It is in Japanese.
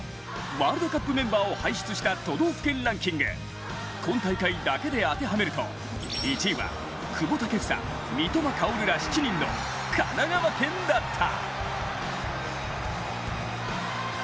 ワールドカップメンバーを輩出した都道府県ランキング今大会だけで当てはめると１位は久保建英、三笘薫ら７人の神奈川県だった。